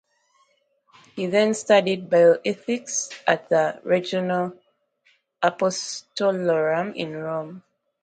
He then studied bioethics at the Regina Apostolorum in Rome.